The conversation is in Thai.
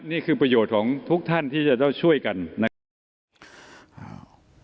นี่คือประโยชน์ของทุกท่านที่จะต้องช่วยกันนะครับอ่า